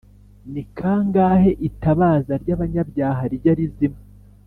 “ni kangahe itabaza ryabanyabyaha rijya rizima